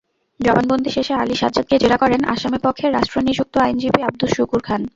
জবানবন্দি শেষে আলী সাজ্জাদকে জেরা করেন আসামিপক্ষে রাষ্ট্রনিযুক্ত আইনজীবী আবদুস শুকুর খান।